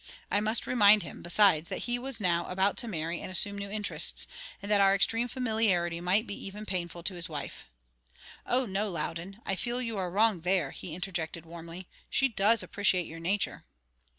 I must remind him, besides, that he was now about to marry and assume new interests, and that our extreme familiarity might be even painful to his wife. "O no, Loudon; I feel you are wrong there," he interjected warmly; "she DOES appreciate your nature."